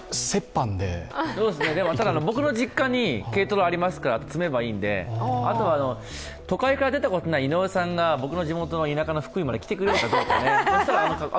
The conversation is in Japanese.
ただ、僕の実家に軽トラありますから、積めばいいんであとは都会から出たことない井上さんが僕の地元の田舎の福井まで来てくれるかですね。